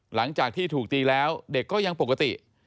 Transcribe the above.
หลังจากที่ถูกตีแล้วเด็กก็ยังปกติ